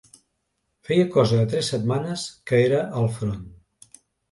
Feia cosa de tres setmanes que era al front